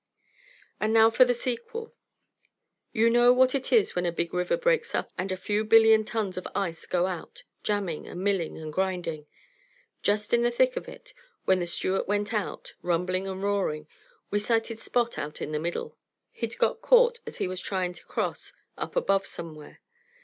And now for the sequel. You know what it is when a big river breaks up and a few billion tons of ice go out, jamming and milling and grinding. Just in the thick of it, when the Stewart went out, rumbling and roaring, we sighted Spot out in the middle. He'd got caught as he was trying to cross up above somewhere.